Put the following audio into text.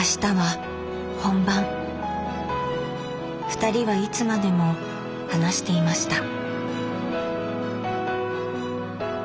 ふたりはいつまでも話していました。